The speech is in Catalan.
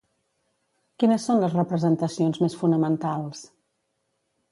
Quines són les representacions més fonamentals?